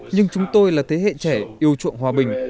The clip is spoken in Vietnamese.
nhưng chúng tôi là thế hệ trẻ yêu chuộng hòa bình